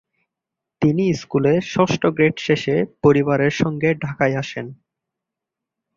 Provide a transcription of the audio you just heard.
তিনি স্কুলে ষষ্ঠ গ্রেড শেষে পরিবারের সঙ্গে ঢাকায় আসেন।